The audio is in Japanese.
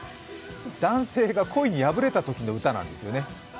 男性が恋に破れたときの歌なんですよね。